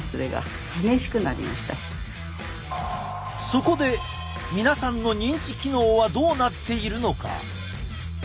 そこで皆さんの認知機能はどうなっているのか？